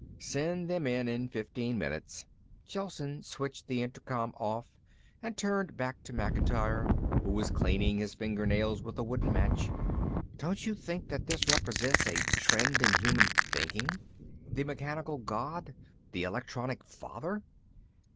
"Send them in in fifteen minutes." Gelsen switched the intercom off and turned back to Macintyre, who was cleaning his fingernails with a wooden match. "Don't you think that this represents a trend in human thinking? The mechanical god? The electronic father?"